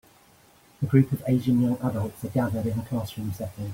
A group of Asian young adults are gathered in a classroom setting.